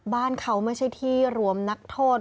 บ้านเขาไม่ใช่ที่รวมนักโทษ